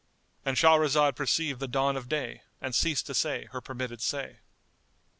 ——And Shahrazad perceived the dawn of day and ceased to say her permitted say.